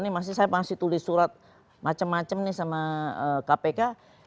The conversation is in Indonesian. ini masih saya masih tulis surat macam macam nih sama kpk